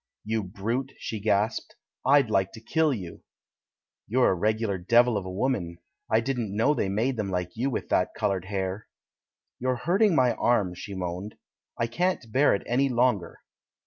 "You brute," she gasped, "I'd like to kill you!" "You're a regular devil of a woman — I didn't know they made them like you with that coloured hair." "You're hurting my arm," she moaned. "I can't bear it any longer."